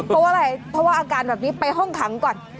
เพราะว่าอะไรเพราะว่าอาการแบบนี้ไปห้องขังก่อน